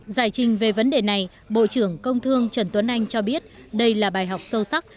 giải trình về vấn đề này bộ trưởng công thương trần tuấn anh cho biết đây là bài học sâu sắc